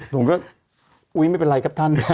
ผมก็อุ๊ยไม่เป็นไรครับท่าน